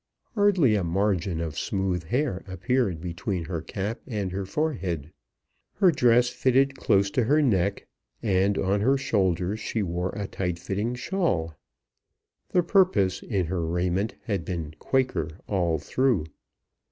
Hardly a margin of smooth hair appeared between her cap and her forehead. Her dress fitted close to her neck, and on her shoulders she wore a tight fitting shawl. The purpose in her raiment had been Quaker all through.